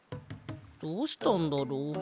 どうしたんだろう。